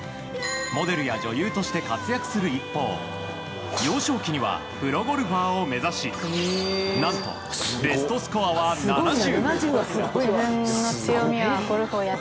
モデルや女優として活躍する一方幼少期にはプロゴルファーを目指し何と、ベストスコアは７０。